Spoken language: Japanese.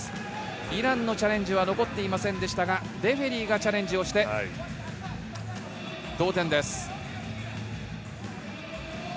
イランのチャレンジは残っていませんでしたが、レフェリーがチャレンジをして同点です。